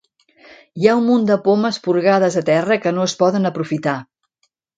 Hi ha un munt de pomes porgades a terra que no es poden aprofitar.